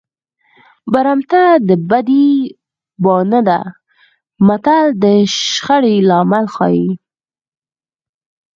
برمته د بدۍ بانه ده متل د شخړې لامل ښيي